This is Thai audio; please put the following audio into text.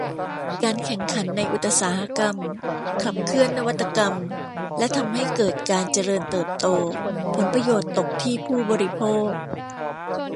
การแข่งขันในอุตสาหกรรมขับเคลื่อนนวัตกรรมและทำให้เกิดการเจริญเติบโต ผลประโยชน์ตกที่ผู้บริโภค